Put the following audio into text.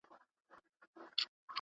هر موږك سي دېوالونه سوري كولاى.